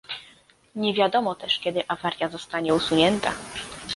Nie wiadomo też kiedy awaria zostanie usunięta